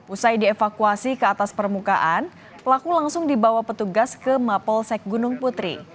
usai dievakuasi ke atas permukaan pelaku langsung dibawa petugas ke mapolsek gunung putri